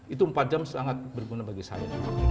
itu empat jam sangat berguna bagi saya